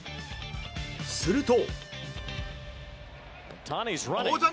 すると。